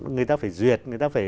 người ta phải duyệt